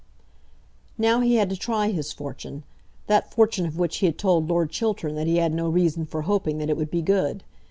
Now he had to try his fortune, that fortune of which he had told Lord Chiltern that he had no reason for hoping that it would be good.